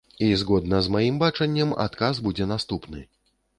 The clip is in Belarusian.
І, згодна з маім бачаннем, адказ будзе наступны.